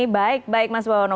baik baik mas bawono